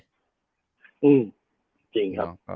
จริงครับ